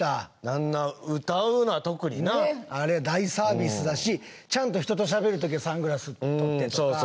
あんな、歌うのは特にな。ねえ？あれ大サービスだしちゃんと人としゃべるときはサングラス取ってとか。